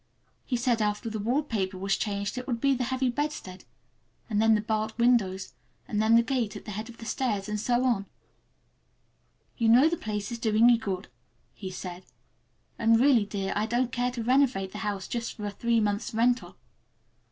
He said that after the wallpaper was changed it would be the heavy bedstead, and then the barred windows, and then that gate at the head of the stairs, and so on. "You know the place is doing you good," he said, "and really, dear, I don't care to renovate the house just for a three months' rental."